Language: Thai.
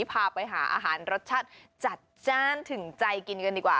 พาไปหาอาหารรสชาติจัดจ้านถึงใจกินกันดีกว่า